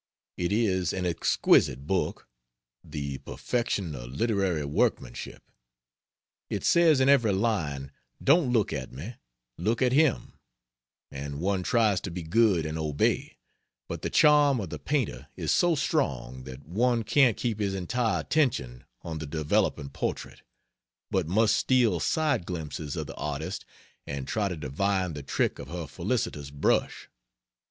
It is an exquisite book; the perfection of literary workmanship. It says in every line, "Don't look at me, look at him" and one tries to be good and obey; but the charm of the painter is so strong that one can't keep his entire attention on the developing portrait, but must steal side glimpses of the artist, and try to divine the trick of her felicitous brush.